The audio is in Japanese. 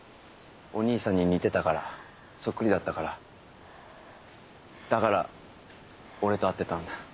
お兄さんに似てたからそっくりだったからだから俺と会ってたんだ